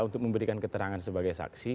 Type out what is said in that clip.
untuk memberikan keterangan sebagai saksi